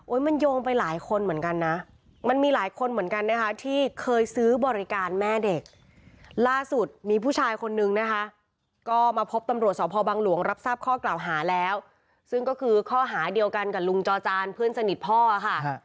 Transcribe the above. มันโยงไปหลายคนเหมือนกันนะมันมีหลายคนเหมือนกันนะคะที่เคยซื้อบริการแม่เด็กล่าสุดมีผู้ชายคนนึงนะคะก็มาพบตำรวจสพบังหลวงรับทราบข้อกล่าวหาแล้วซึ่งก็คือข้อหาเดียวกันกับลุงจอจานเพื่อนสนิทพ่อค่ะ